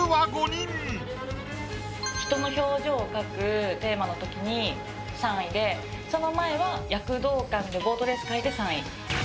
人の表情を描くテーマのときに３位でその前は躍動感でボートレース描いて３位。